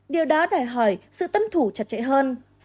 điều đó đòi hỏi sự tân thủ chặt chẽ hơn